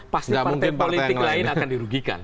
pasti partai politik lain akan dirugikan